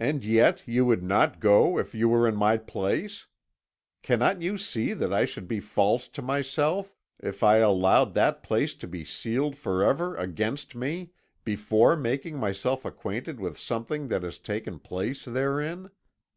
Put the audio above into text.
"'And yet you would not go if you were in my place! Cannot you see that I should be false to myself if I allowed that place to be sealed forever against me, before making myself acquainted with something that has taken place therein?